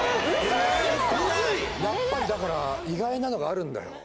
やっぱりだから意外なのがあるんだよ